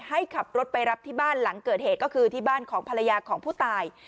ให้ขับรถไปรับที่บ้านหลังเกิดเหตุก็คือที่บ้านของภรรยาของผู้ตาย